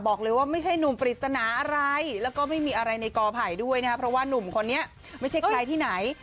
บอกเลยว่าไม่ใช่หนุ่มปริศนาอะไรแล้วก็ไม่มีอะไรในกอไผ่ด้วยนะครับเพราะว่านุ่มคนนี้ไม่ใช่ใครที่ไหน